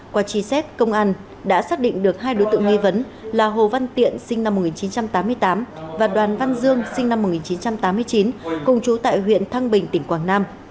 qua truy xét công an đã xác định được hai đối tượng nghi vấn là hồ văn tiện sinh năm một nghìn chín trăm tám mươi tám và đoàn văn dương sinh năm một nghìn chín trăm tám mươi chín cùng chú tại huyện thăng bình tỉnh quảng nam